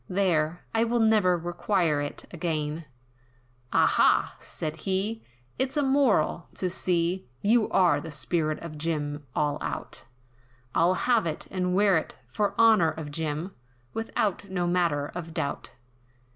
there, I will never require it again," "Aha!" said he, "It's a moral, to see You're the spirit of Jim all out, I'll have it, and wear it, for honour of Jim, Without no manner of doubt.